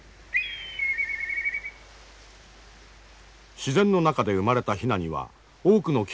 自然の中で生まれたヒナには多くの危険が待ち受ける。